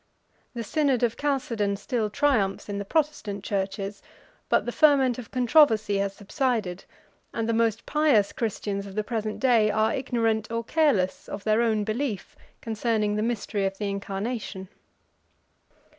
The synod of Chalcedon still triumphs in the Protestant churches; but the ferment of controversy has subsided, and the most pious Christians of the present day are ignorant, or careless, of their own belief concerning the mystery of the incarnation.